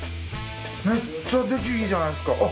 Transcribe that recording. めっちゃ出来いいじゃないですか。